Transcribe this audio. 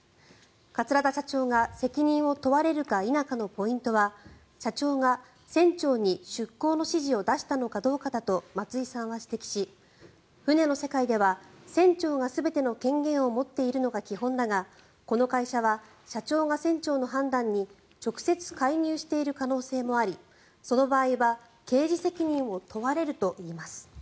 桂田社長が責任を問われるか否かのポイントは社長が船長に出航の指示を出したのかどうかだと松井さんは指摘し船の世界では船長が全ての権限を持っているのが基本だがこの会社は社長が船長の判断に直接介入している可能性もありその場合は刑事責任を問われるといいます。